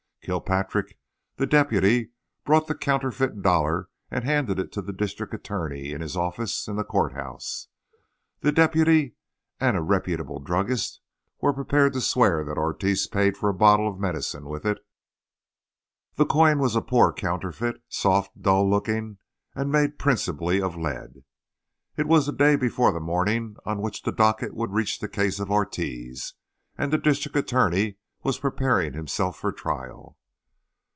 Kilpatrick, the deputy, brought the counterfeit dollar and handed it to the district attorney in his office in the court house. The deputy and a reputable druggist were prepared to swear that Ortiz paid for a bottle of medicine with it. The coin was a poor counterfeit, soft, dull looking, and made principally of lead. It was the day before the morning on which the docket would reach the case of Ortiz, and the district attorney was preparing himself for trial.